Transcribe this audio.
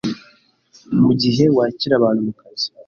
Mu gihe wakira abantu mu kazi